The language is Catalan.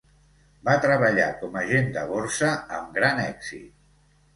Va treballar com agent de borsa amb gran èxit.